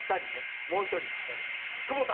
もう１人久保田。